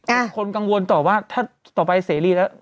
คนกังวลต่อว่าถ้าต่อไปเสรีแล้ว